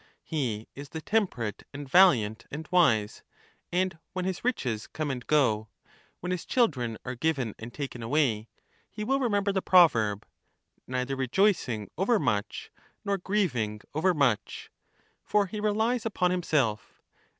He is the temperate and valiant and wise ; and when his riches come and go, when his children are given and taken away, he will remember the proverb — "Neither rejoicing overmuch nor grieving overmuch," for he relies upon himself.